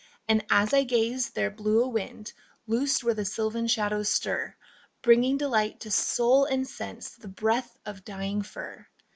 And as I gazed there blew a wind, Loosed where the sylvan shadows stir, Bringing delight to soul and sense The breath of dying fir.